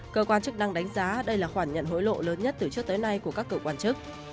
cơ quan chức năng đánh giá đây là khoản nhận hối lộ lớn nhất từ trước tới nay của các cơ quan chức